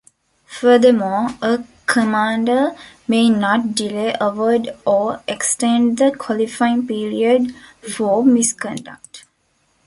Furthermore, a Commander may not delay award or extend the qualifying period for misconduct.